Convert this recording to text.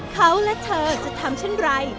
เขาและเธอจะทำเช่นไร